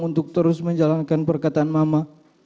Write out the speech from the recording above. untuk terus menjalankan perkataan mama